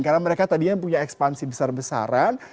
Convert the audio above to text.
karena mereka tadinya punya ekspansi besar besaran